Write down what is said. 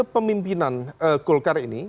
pemimpinan golkar ini